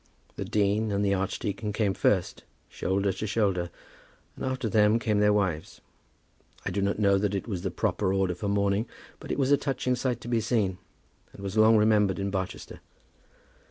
The dean and the archdeacon came first, shoulder to shoulder, and after them came their wives. I do not know that it was the proper order for mourning, but it was a touching sight to be seen, and was long remembered in Barchester.